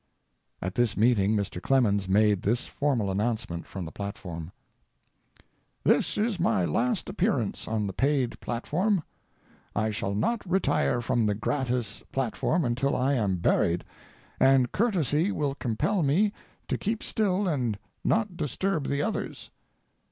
At this meeting Mr. Clemens made this formal announcement from the platform: "This is my last appearance on the paid platform. I shall not retire from the gratis platform until I am buried, and courtesy will compel me to keep still and not disturb the others.